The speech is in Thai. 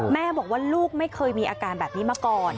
แม่บอกว่าลูกไม่เคยมีอาการแบบนี้มาก่อน